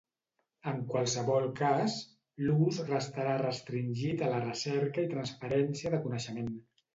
En qualsevol cas, l'ús restarà restringit a la recerca i transferència de coneixement.